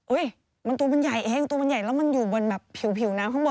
มันตัวมันใหญ่เองตัวมันใหญ่แล้วมันอยู่บนแบบผิวน้ำข้างบน